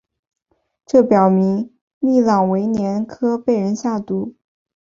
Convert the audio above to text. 这表明利特维年科被人下毒。